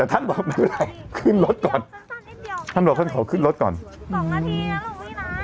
แต่ท่านบอกขึ้นรถก่อนท่านบอกท่านขอขึ้นรถก่อนสองนาทีแล้วหลวงพี่น้ำ